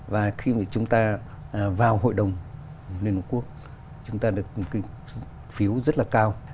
và khi mà chúng ta vào hội đồng liên hợp quốc chúng ta được phiếu rất là cao